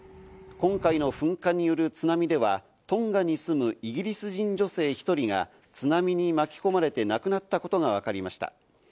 今回の噴火による津波では、トンガに住むイギリス人女性１人が津波に巻き込まれて亡くなったことが分かりました。